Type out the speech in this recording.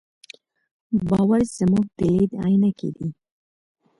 باور زموږ د لید عینکې دي.